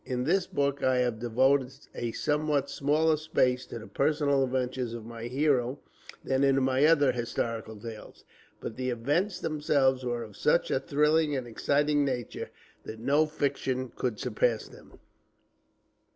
In this book I have devoted a somewhat smaller space to the personal adventures of my hero than in my other historical tales, but the events themselves were of such a thrilling and exciting nature that no fiction could surpass them.